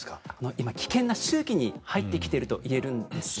今、危険な周期に入ってきていると言えるんです。